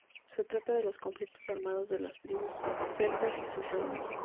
Se trata de los conflictos armados de las tribus celtas y sus reinos.